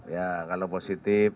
ya kalau positif